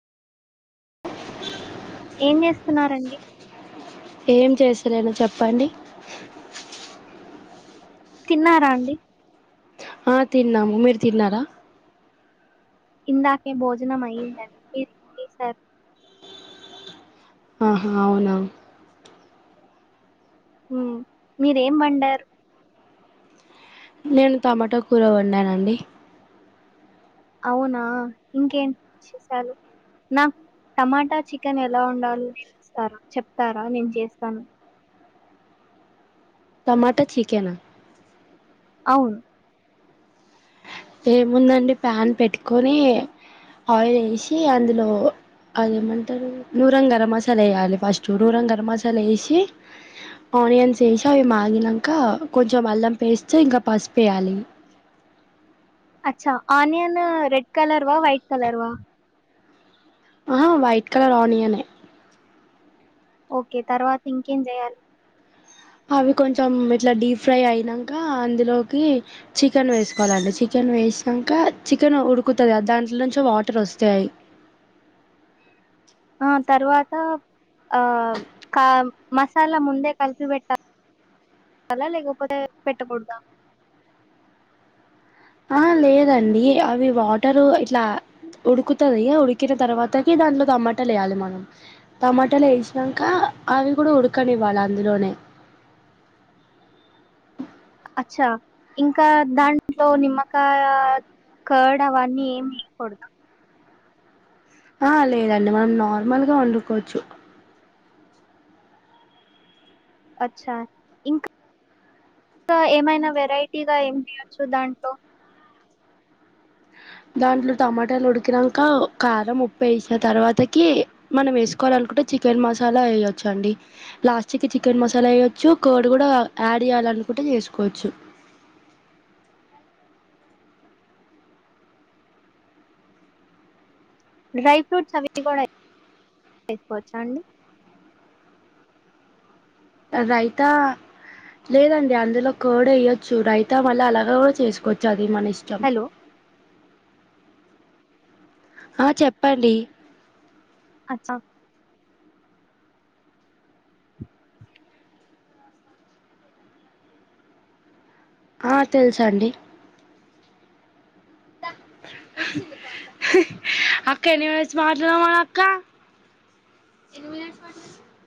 ఏం చేస్తున్నారండి? ఏం చేస్తలేను చెప్పండి. తిన్నారా అండి. ఆ తిన్నాము మీరు తిన్నారా. ఇందాకే భోజనం అయ్యిందండి ఇ ఈ సారి. ఆహా అవునా. ఉ మీరేం వండారు. నేను టమాటా కూర వండానండి. అవునా ఇంకేం చేసారు. నాకు టమాటా చికెన్ ఎలా వండాలి నేర్పిస్తారా చెప్తారా. నేను చేస్తాను టమాటా చికెనా. అవును ఏముందండి. ప్యాన్ పెట్టుకొని, ఆయిల్ వేసి అందులో అదేమంటారు నూరం గరం మసాలా వేయాలి. ఫస్ట్ నూరం గరం మసాలా వేసి ఆనియన్స్ వేసి అవి మాగినంక కొంచెం అల్లం పేస్ట్ ఇంకా పసుపేయాలి. అచ్చా ఆనియన్ రెడ్ కలర్ వా వైట్ కలర్ వా. ఆ వైట్ కలర్ ఆనియనే. ఓకే తర్వాత ఇంకేం చేయాలి. అవి కొంచెం ఇట్లా డీ ఫ్రై అయినాక అందులోకి చికెన్ వేసుకోవాలండి, చికెన్ వేసినాక చికెన్ ఉడుకుతది. దాంట్లో నుంచి వాటర్ వస్తాయి. ఆ తర్వాత ఆ కా మసాలా ముందే కలిపి పెట్టాలా, లేకపోతే పెట్టకూడదా. ఆ లేదండి. అవి వాటరు ఇట్లా ఉడుకుతది. ఉడికిన తర్వాతకి దాంట్లో టమాటాలు వేయాలి. మనం టమాటాలు వేసినంకా అవి కూడా ఉడకనివ్వాలి. అందులోనే. అచ్చా ఇంకా దాంట్లో నిమ్మకా కర్డ్ అవన్నీ ఏమి వేయకూడదా. ఆ లేదండి, మనం నార్మల్గా వండుకోచ్చు. అచ్చా ఇంకా ఏమైనా వెరైటీగా ఏమి చేయచ్చు దాంట్లో. దాంట్లో టమాటాలు ఉడికినంక కారం ఉప్పు వేసిన తర్వాతకి మనం వేసుకోవాలినుకుంటే చికెన్ మసాలా వేయొచ్చు అండి లాస్ట్ కి చికెన్ మసాలా వేయ్యొచ్చు. కోడి కూడా యాడ్ చేయాలనుకుంటే చేసుకోవచ్చు. డ్రై ఫ్రూట్స్ అవి కూడా చేసుకోవచ్చా అండి. రైతా లేదండి అందులో కార్డ్ వేయ్యొచ్చు రైతా వాళ్ళ అలాగ కూడా చేసుకోవచ్చు అది. ఇది మనిష్టం. హలో. ఆ చెప్పండి అచ్చా ఆ తెలుస అండి అక్క ఎన్ని మినిట్స్ మాట్లాడం అక్క